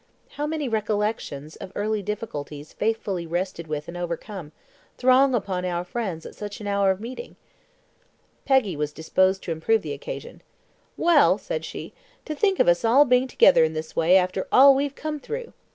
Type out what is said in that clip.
How many recollections of early difficulties faithfully wrestled with and overcome, throng upon our friends at such an hour of meeting! Peggy was disposed to improve the occasion. "Well," said she, "to think of us all being together in this way after all we've come through!